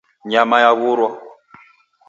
Nyama yawurwa.